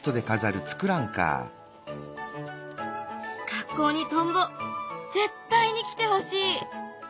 学校にトンボ絶対に来てほしい。